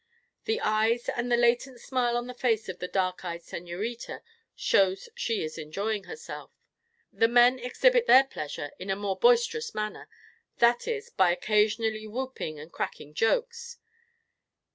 The eyes and the latent smile on the face of the "dark eyed señorita" shows she is enjoying herself. The men exhibit their pleasure in a more boisterous manner; that is, by occasionally whooping and cracking jokes.